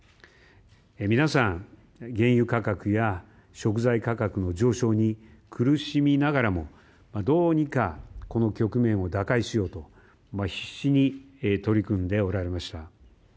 皆さん、原油価格や食材費の上昇に苦しみながらもどうにかこの局面を打開しようと必死に取り組んでおられました。